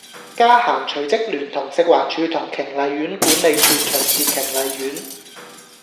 嘉嫻隨即聯同食環署同瓊麗苑管理處巡視瓊麗苑